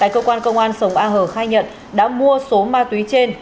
cơ quan công an sồng a hờ khai nhận đã mua số ma túy trên